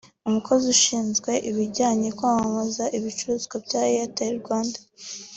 umukozi ushinzwe ibijyanye kwamamaza ibicuruzwa bya Airtel Rwanda